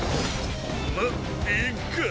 まっいっか。